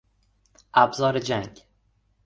ابزار جنگ